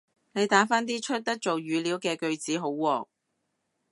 你打返啲出得做語料嘅句子好喎